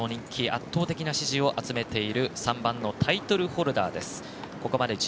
圧倒的な支持を集めている３番タイトルホルダーです。